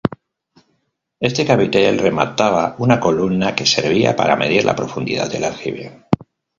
Este capitel remataba una columna que servía para medir la profundidad del aljibe.